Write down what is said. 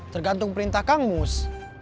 tergantung perintah kang mus